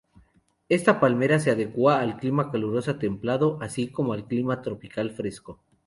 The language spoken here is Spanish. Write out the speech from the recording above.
Esta palmera se adecua al clima caluroso templado así como al clima tropical fresco.